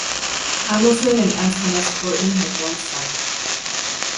Hamilton and Antoinette Courteney had one son.